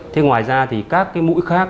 thế ngoài ra thì các cái mũi khác